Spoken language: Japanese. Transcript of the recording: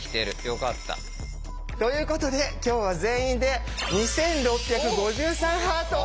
よかった。ということで今日は全員で２６５３ハート。